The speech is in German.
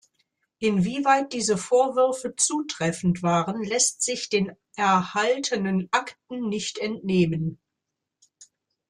Inwieweit diese Vorwürfe zutreffend waren, lässt sich den erhaltenen Akten nicht entnehmen.